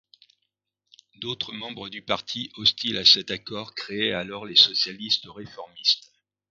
D'autres membres du Parti, hostile à cet accord, créaient alors les Socialistes réformistes.